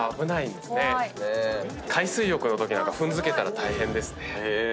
海水浴のときなんか踏んづけたら大変ですね。